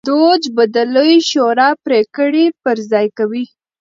دوج به د لویې شورا پرېکړې پر ځای کوي.